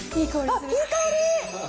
あっ、いい香り！